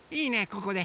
ここで。